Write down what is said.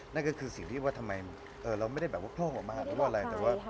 นั่นก็คือสิริว่าทำไมเราไม่ได้พ่อหัวมากหรือว่าอะไร